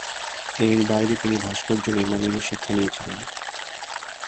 এর বাইরে তিনি ভাস্কর্য-নির্মাণেরও শিক্ষা নিয়েছিলেন।